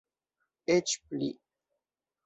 Eĉ pli.